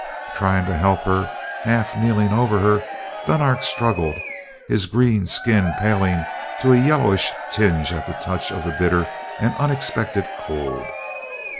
Trying to help her, half kneeling over her, Dunark struggled, his green skin paling to a yellowish tinge at the touch of the bitter and unexpected cold.